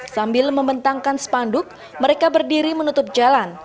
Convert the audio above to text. sambil membentangkan spanduk mereka berdiri menutup jalan